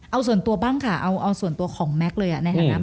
เอาส่วนตัวบ้างคะเอาส่วนตัวของแมคเลยอะนะครับ